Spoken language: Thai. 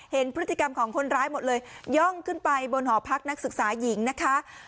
เห็นพฤติกรรมของคนร้ายหมดเลยย่องขึ้นไปบนหอพักนักศึกษาหญิงนะคะ